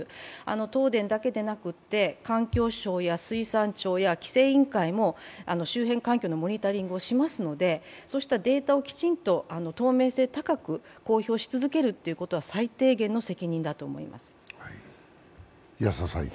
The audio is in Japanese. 東電だけでなくて、環境省や水産庁や規制委員会も周辺環境のモニタリングをしますのでそうしたデータをきちんと透明性高く公表し続けるということが最低限の責任だと思います。